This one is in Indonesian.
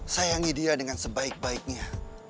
sayangi dia dengan sebaik baiknya